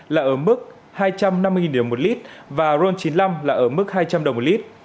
là ở mức hai trăm năm mươi đồng một lít và ron chín mươi năm là ở mức hai trăm linh đồng một lít